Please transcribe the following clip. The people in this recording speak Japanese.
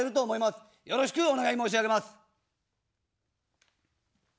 よろしくお願い申し上げます。